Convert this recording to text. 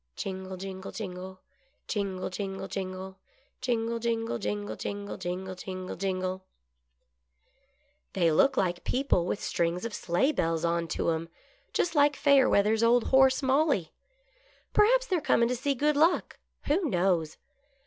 Jingle^ jingle^ jingle^ Jingle Jingle^ jingle ; Jingle, jingle, jingle, jingle. Jingle, jingle, jingle 1 " They look like people with strings of sleigh bells on to 'em, just like Fayerweather's old horse, ' Molly.' Perhaps they're cornin' to see Good Luck — who knows